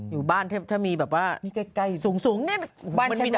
อยู่บ้านจะมีแบบว่าสูงแบบนี้